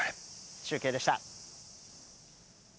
中継でした。